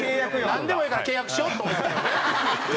なんでもええから契約しようと思ったんよね。